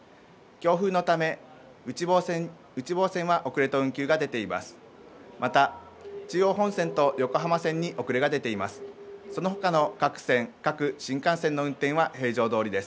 強風のため、内房線は遅れと運休が出ています。